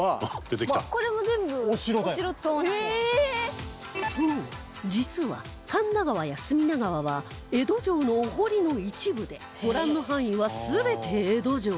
そう実は神田川や隅田川は江戸城のお堀の一部でご覧の範囲は全て江戸城